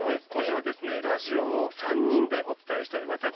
今夜はラジオを３人でお伝えしております。